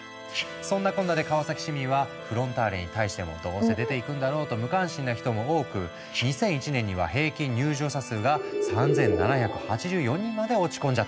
そんなこんなで川崎市民はフロンターレに対しても「どうせ出ていくんだろう」と無関心な人も多く２００１年には平均入場者数が３７８４人まで落ち込んじゃったんだ。